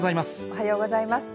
おはようございます。